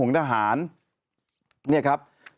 ปรากฏว่าน้องการ์ตูนก็คือนี่แหละฮะ